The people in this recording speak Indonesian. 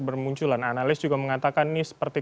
bermunculan analis juga mengatakan ini seperti